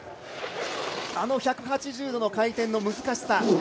あの１８０度の回転の難しさ。